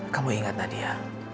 kamu ingat nadia